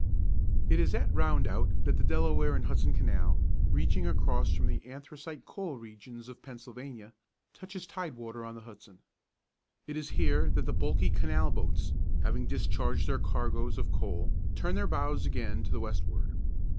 It is at Rondout that the Delaware and Hudson Canal, reaching across from the anthracite coal regions of Pennsylvania, touches tide water on the Hudson. It is here that the bulky canal boats, having discharged their cargoes of coal, turn their bows again to the westward.